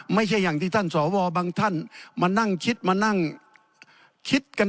ไม่ใช่อย่างที่ท่านสวบางท่านมานั่งคิดมานั่งคิดกัน